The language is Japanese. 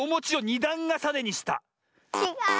ちがう。